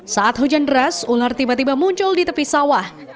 saat hujan deras ular tiba tiba muncul di tepi sawah